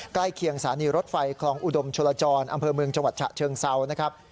เคียงสถานีรถไฟคลองอุดมชลจรอำเภอเมืองจังหวัดฉะเชิงเซานะครับ